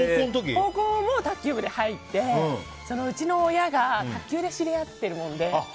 高校も卓球部に入ってうちの親が卓球で知り合っているもんで。